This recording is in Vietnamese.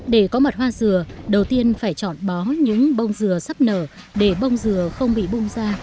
để có mật hoa dừa đầu tiên phải chọn bó những bông dừa sắp nở để bông dừa không bị bung ra